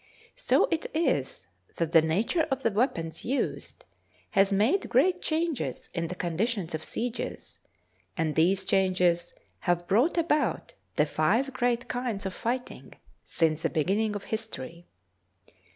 So it is that the nature of the weapons used has made great changes in the conditions of sieges, and these changes have brought about the five great kinds of fighting since the beginning of history.